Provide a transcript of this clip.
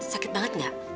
sakit banget gak